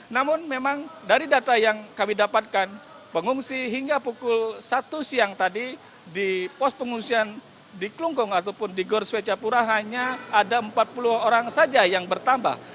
namun memang dari data yang kami dapatkan pengungsi hingga pukul satu siang tadi di pos pengungsian di klungkung ataupun di gor swecapura hanya ada empat puluh orang saja yang bertambah